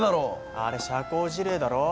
あれ社交辞令だろ。